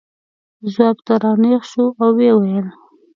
ځواب ته را نېغ شو او یې وویل.